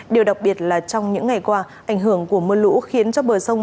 điều đặc biệt là trong những ngày qua ảnh hưởng của mưa lũ khiến cho bờ sông